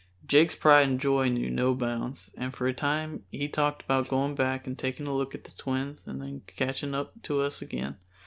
Jake's pride and joy knew no bounds, and for a time he talked about going back and taking a look at the twins and then catching up to us again.